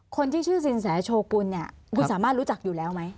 คนที่ชื่อสินแสโชกุลเนี่ยคุณสามารถรู้จักอยู่แล้วไหม